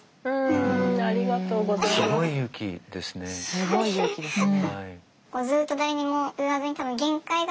すごい勇気ですね。